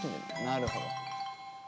なるほど。